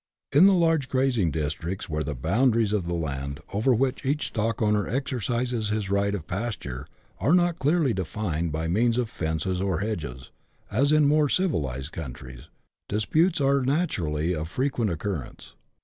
In the large grazing districts, where the boundaries of the land, over which each stockowner exercises his right of pasture, are not clearly defined by means of fences or hedges, as in more civilized countries, disputes are naturally of frequent occurrence.